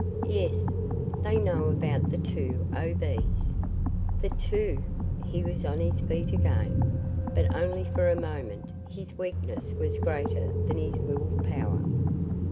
"Yes; they know about the two O. B.s." "The two " He was on his feet again, but only for a moment; his weakness was greater than his will power.